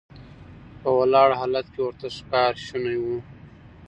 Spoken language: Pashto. په ولاړ حالت کې ورته ښکار شونی و.